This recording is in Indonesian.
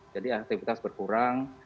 jadi aktivitas berkurang